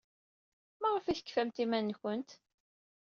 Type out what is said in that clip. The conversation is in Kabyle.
Maɣef ay tefkamt iman-nwent?